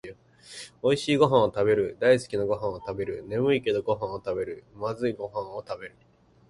おいしいごはんをたべる、だいすきなごはんをたべる、ねむいけどごはんをたべる、まずいごはんをたべる